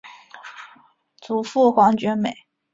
祖父黄厥美。